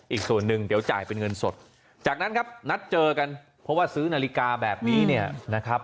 อีกส่วนหนึ่งเดี๋ยวจ่ายเป็นเงินสดจากนั้นครับนัดเจอกันเพราะว่าซื้อนาฬิกาแบบนี้เนี่ยนะครับ